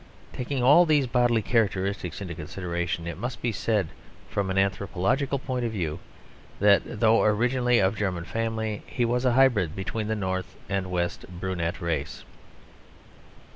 Taking all these bodily characteristics into consideration, it must be said from an anthropological point of view that though originally of German family he was a hybrid between the North and West brunette race."